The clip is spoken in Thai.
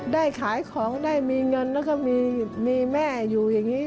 ได้ขายของได้มีเงินแล้วก็มีแม่อยู่อย่างนี้